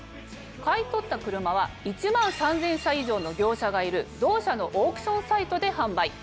買い取った車は１万３０００社以上の業者がいる同社のオークションサイトで販売。